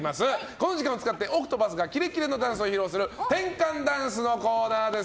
この時間を使ってＯＣＴＰＡＴＨがキレキレダンスを披露する転換ダンスのコーナーです。